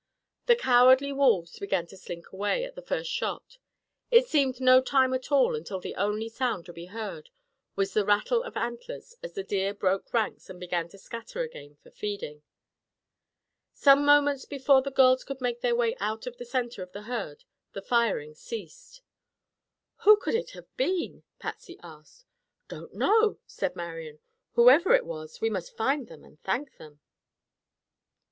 The cowardly wolves began to slink away at the first shot. It seemed no time at all until the only sound to be heard was the rattle of antlers as the deer broke ranks and began to scatter again for feeding. Some moments before the girls could make their way out of the center of the herd the firing ceased. "Who could it have been?" Patsy asked. "Don't know," said Marian. "Whoever it was, we must find them and thank them."